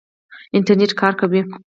انټرنېټ کار کوي؟